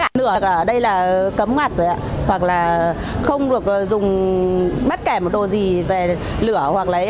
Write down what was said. kinh doanh ở đây là cấm mặt rồi ạ hoặc là không được dùng bất kể một đồ gì về lửa